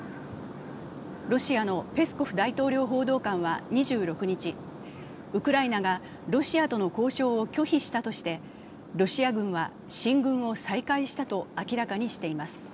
ロシアのペスコフ大統領報道官は２６日、ウクライナがロシアとの交渉を拒否したとしてロシア軍は進軍を再開したと明らかにしています。